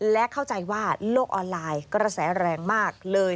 และเข้าใจว่าโลกออนไลน์กระแสแรงมากเลย